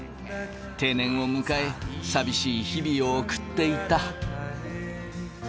定年を迎え寂しい日々を送っていた。